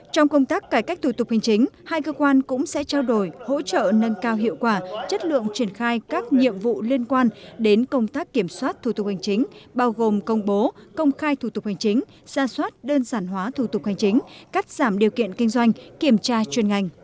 trong công tác cải cách thủ tục hành chính hai cơ quan cũng sẽ trao đổi hỗ trợ nâng cao hiệu quả chất lượng triển khai các nhiệm vụ liên quan đến công tác kiểm soát thủ tục hành chính bao gồm công bố công khai thủ tục hành chính ra soát đơn giản hóa thủ tục hành chính cắt giảm điều kiện kinh doanh kiểm tra chuyên ngành